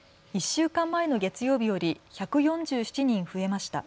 １週間前の月曜日より１４７人増えました。